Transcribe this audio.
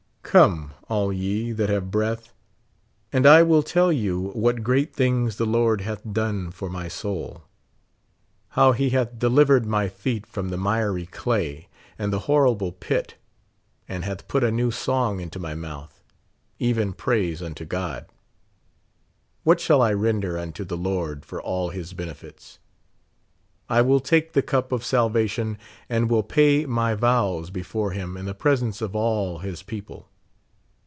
Come, all ye that have breath, and I will tell you what great things the Lord hath done for my soul ; 52 how he hath delivered my feet from the miiT clay and the liorrible pit, and hath put a new song into nw mouth, even praise unto God. What shall F render unto the Lord for all his benefits ? I will take the cup of salvation, and will pay my vows before him in the presence of all his people.